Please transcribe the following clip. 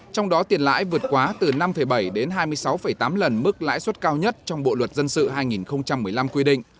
trong đó tiền lãi vượt quá từ năm bảy đến hai mươi sáu tám lần mức lãi suất cao nhất trong bộ luật dân sự hai nghìn một mươi năm quy định